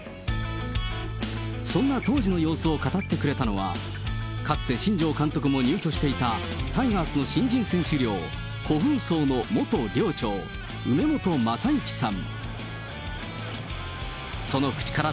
そんな当時の様子を語ってくれたのは、かつて新庄監督も入居していたタイガースの新人選手寮、虎風荘の元寮長、梅本正之さん。